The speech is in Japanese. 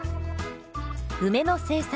梅の生産